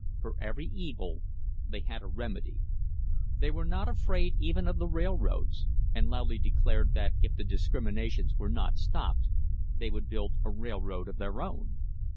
For every evil they had a remedy. They were not afraid even of the railroads, and loudly declared that if the discriminations were not stopped they would build a railroad of their own.